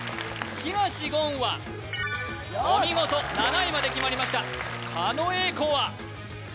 東言はお見事７位まで決まりました狩野英孝はＯＫ！